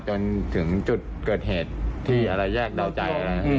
จนถึงจุดเกิดเหตุที่อะไรแยกดาวใจ